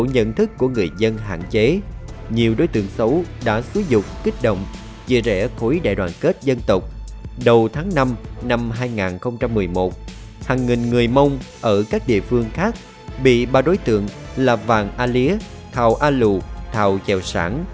hàng nghìn người mông ở các địa phương khác bị ba đối tượng là vàng a lía thào a lụ thào chèo sản